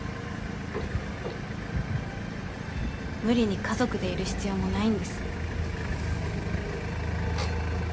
無理に家族でいる必要もないんです。